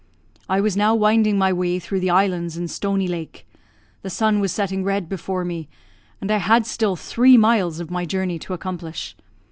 I was now winding my way through the islands in Stony Lake; the sun was setting red before me, and I had still three miles of my journey to accomplish.